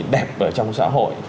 đẹp ở trong xã hội